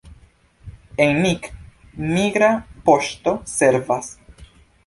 En Nick migra poŝto servas.